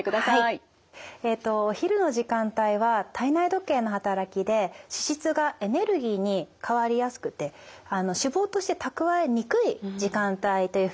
えとお昼の時間帯は体内時計の働きで脂質がエネルギーに変わりやすくて脂肪として蓄えにくい時間帯というふうにいわれているんですね。